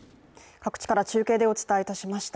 各地から中継でお伝えいたしました。